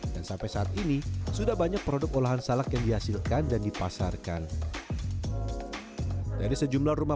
dan sampai saat ini sudah banyak produk olahan salak yang dihasilkan dan dipasarkan dari sejumlah rumah